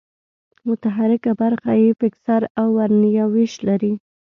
متحرکه برخه یې فکسر او ورنیه وېش لري.